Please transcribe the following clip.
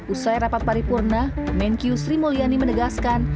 usai rapat paripurna menkyu sri mulyani menegaskan